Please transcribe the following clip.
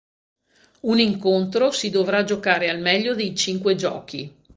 Un incontro si dovrà giocare al meglio dei cinque giochi.